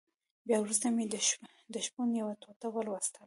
بيا وروسته مې د شپون يوه ټوټه ولوستله.